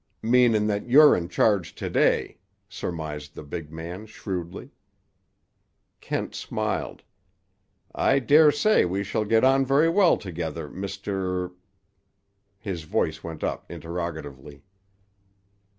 "Meanin' that you're in charge to day," surmised the big man shrewdly. Kent smiled. "I dare say we shall get on very well together, Mr.—" his voice went up interrogatively.